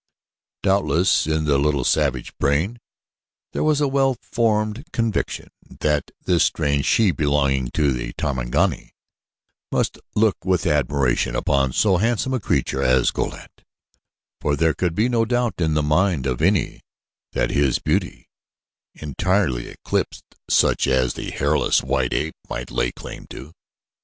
Doubtless in the little, savage brain there was a well formed conviction that this strange she belonging to the Tarmangani must look with admiration upon so handsome a creature as Go lat, for there could be no doubt in the mind of any that his beauty entirely eclipsed such as the hairless white ape might lay claim to.